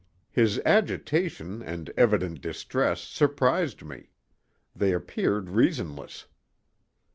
His agitation and evident distress surprised me; they appeared reasonless.